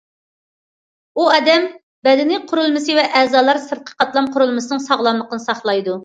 ئۇ ئادەم بەدىنى قۇرۇلمىسى ۋە ئەزالار سىرتقى قاتلام قۇرۇلمىسىنىڭ ساغلاملىقىنى ساقلايدۇ.